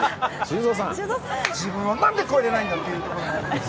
自分を何で超えれないんだ！ということで。